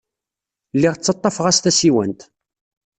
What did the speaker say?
Lliɣ ttaḍḍafeɣ-as tasiwant.